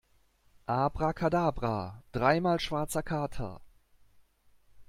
Abrakadabra, dreimal schwarzer Kater!